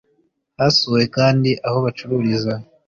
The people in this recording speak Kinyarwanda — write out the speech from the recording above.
Hasuwe kandi aho bacururiza